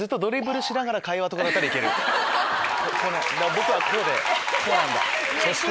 「僕はこうでこうなんだ」。